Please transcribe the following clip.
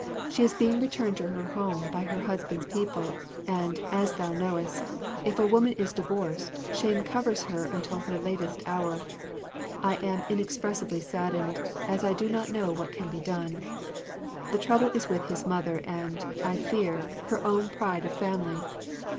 She is being returned to her home by her husband's people, and, as thou knowest, if a woman is divorced shame covers her until her latest hour. I am inexpressibly saddened, as I do not know what can be done. The trouble is with his mother and, I fear, her own pride of family.